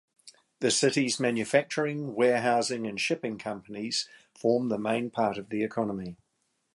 The city's manufacturing, warehousing, and shipping companies form the main part of the economy.